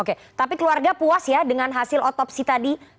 oke tapi keluarga puas ya dengan hasil otopsi tadi